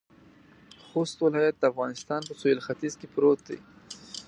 خوست ولایت د افغانستان په سویل ختيځ کې پروت دی.